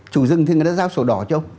chủ rừng thì người ta giao sổ đỏ cho ông